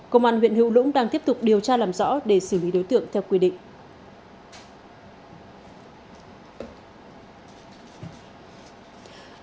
công an huyện hữu lũng đang tiếp tục điều tra làm rõ để xử lý đối tượng theo quy định